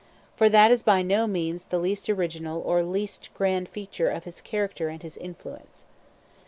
For that is by no means the least original or least grand feature of his character and his influence.